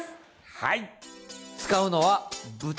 はい。